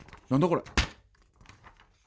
これ。